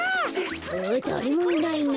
あっだれもいないな。